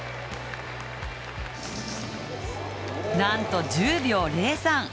なんと１０秒０３。